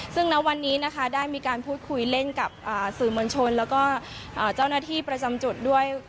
ซึ่งณวันนี้นะคะได้มีการพูดคุยเล่นกับสื่อมวลชนแล้วก็เจ้าหน้าที่ประจำจุดด้วย